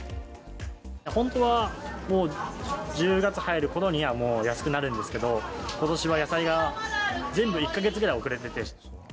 本当は１０月入るころにはもう安くなるんですけど、ことしは野菜が全部１か月ぐらい遅れてて。